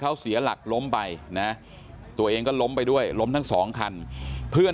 เขาเสียหลักล้มไปนะตัวเองก็ล้มไปด้วยล้มทั้งสองคันเพื่อน